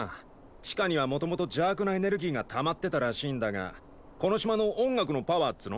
地下にはもともと邪悪なエネルギーがたまってたらしいんだがこの島の音楽のパワーっつの？